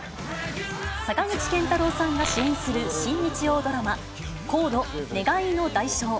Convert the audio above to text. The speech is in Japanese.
坂口健太郎さんが主演する新日曜ドラマ、ＣＯＤＥ願いの代償。